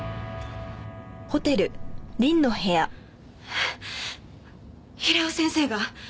えっ平尾先生が！？